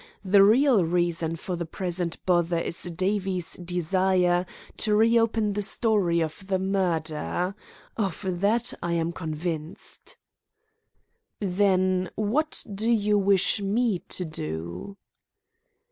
The real reason for the present bother is Davie's desire to reopen the story of the murder. Of that I am convinced." "Then what do you wish me to do?"